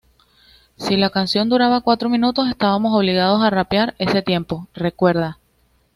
Si la canción duraba cuatro minutos, estábamos obligados a rapear ese tiempo", recuerda.